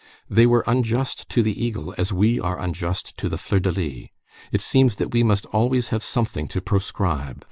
They were unjust to the eagle, we are unjust to the fleur de lys. It seems that we must always have something to proscribe!